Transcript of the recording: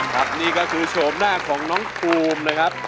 ครับนี่ก็คือโฉมหน้าของน้องภูมินะครับ